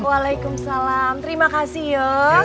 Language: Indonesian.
waalaikumsalam terima kasih yuk